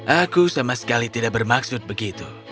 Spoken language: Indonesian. aku sama sekali tidak bermaksud begitu